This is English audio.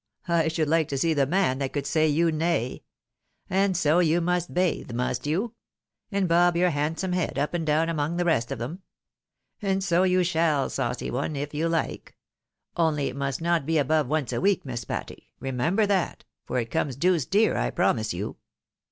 " I should like to see the man that could say you nay. And so you must bathe, must you ? And bob your handsome head up and down among the rest of 'em ? And so you shall, saucy one, if you like it. Only it must not be above once a week. Miss Patty, remember that, for it comes deuced dear, I promise you."